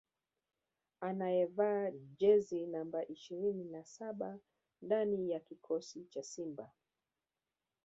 anayevaa jezi namba ishirini na saba ndani ya kikosi cha Simba